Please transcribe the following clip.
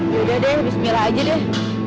yaudah deh bismillah aja deh